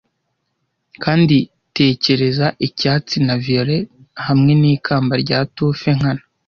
Kandi tekereza icyatsi na violet hamwe nikamba rya tufe nkana,